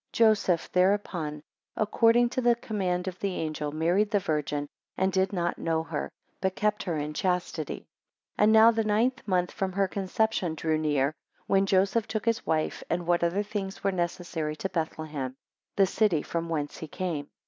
12 Joseph thereupon, according to the command of the angel, married the Virgin, and did not know her, but kept her in chastity. 13 And now the ninth month from her conception drew near, when Joseph took his wife and what other things were necessary to Bethlehem, the city from whence he came.